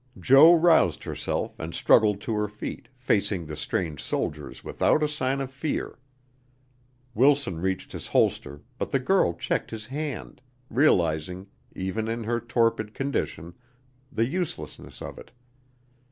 Jo roused herself and struggled to her feet, facing the strange soldiers without a sign of fear. Wilson reached his holster, but the girl checked his hand, realizing, even in her torpid condition, the uselessness of it.